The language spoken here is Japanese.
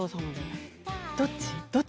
どっち？